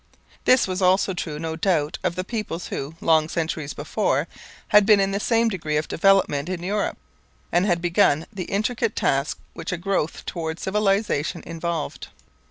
This was also true, no doubt, of the peoples who, long centuries before, had been in the same degree of development in Europe, and had begun the intricate tasks which a growth towards civilization involved.